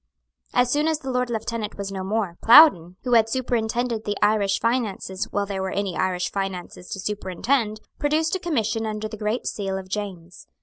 As soon as the Lord Lieutenant was no more, Plowden, who had superintended the Irish finances while there were any Irish finances to superintend, produced a commission under the great seal of James.